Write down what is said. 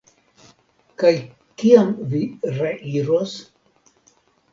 Kaj kiam vi reiros?